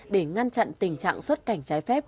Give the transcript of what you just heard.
để ngăn chặn tình trạng xuất cảnh trái phép